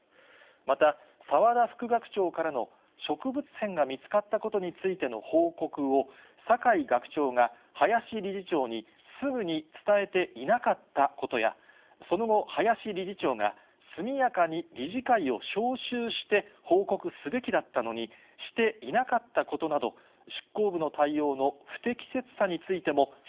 また、澤田副学長からの植物片が見つかったことについての報告を酒井学長が林理事長にすぐに伝えていなかったことや、その後、林理事長が速やかに理事会を招集して報告すべきだったのにしてい以上、きょうコレをお伝えしました。